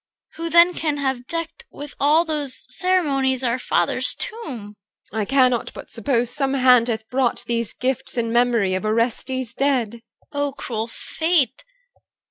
Who then can have decked With all those ceremonies our father's tomb? EL. I cannot but suppose some hand hath brought These gifts in memory of Orestes dead. CHR. O cruel fate!